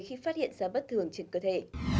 khi phát hiện ra bất thường trên cơ thể